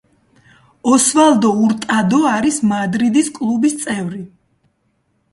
ოსვალდო ურტადო არის მადრიდის კლუბის წევრი.